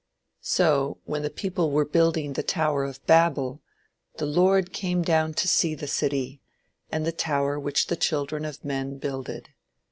So, when the people were building the tower of Babel "the Lord came down to see the city, and the tower which the children of men builded.